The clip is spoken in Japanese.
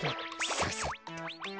ささっと。